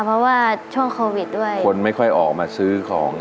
เพราะว่าช่วงโควิดด้วยคนไม่ค่อยออกมาซื้อของ